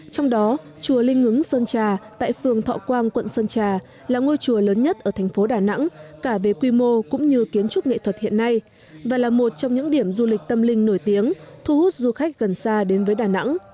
trong đó chùa linh ngứng sơn trà tại phường thọ quang quận sơn trà là ngôi chùa lớn nhất ở thành phố đà nẵng cả về quy mô cũng như kiến trúc nghệ thuật hiện nay và là một trong những điểm du lịch tâm linh nổi tiếng thu hút du khách gần xa đến với đà nẵng